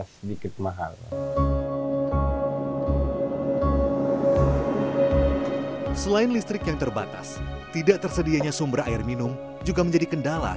sedikit mahal selain listrik yang terbatas tidak tersedianya sumber air minum juga menjadi kendala